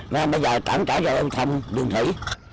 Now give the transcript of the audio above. nên bây giờ tảm trả cho ông thăm đường thủy